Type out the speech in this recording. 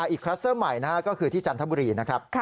คลัสเตอร์ใหม่ก็คือที่จันทบุรีนะครับ